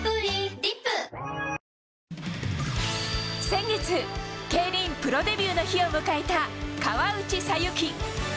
先月、競輪プロデビューの日を迎えた河内桜雪。